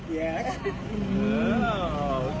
เขาสวนกวาง